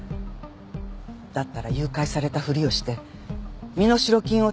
だったら誘拐されたふりをして身代金を手に入れればいいって。